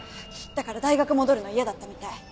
だから大学戻るの嫌だったみたい。